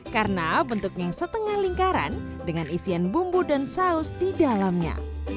karena bentuknya setengah lingkaran dengan isian bumbu dan saus di dalamnya